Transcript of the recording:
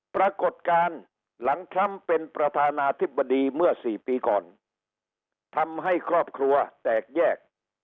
ปรากฏการณ์หลังทรัมป์เป็นประธานาธิบดีเมื่อสี่ปีก่อนทำให้ครอบครัวแตกแยก